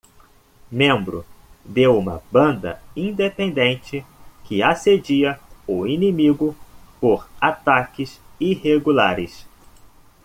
Membro de uma banda independente que assedia o inimigo por ataques irregulares.